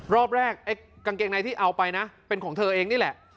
รอบแรกไอ้กางเกงในที่เอาไปนะเป็นของเธอเองนี่แหละ